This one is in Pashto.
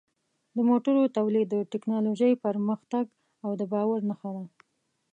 د موټرو تولید د ټکنالوژۍ پرمختګ او د باور نښه ده.